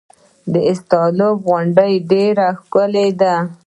د استالف غونډۍ ډیره ښکلې ده